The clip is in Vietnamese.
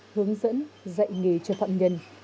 hướng dẫn dạy nghề cho phạm nhân